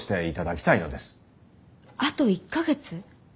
あと１か月？